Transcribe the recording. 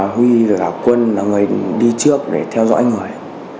huy là quân là người đi trước để theo dõi người